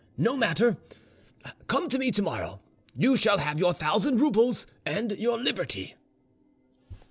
No matter, come to me tomorrow, and you shall have your thousand roubles and your liberty."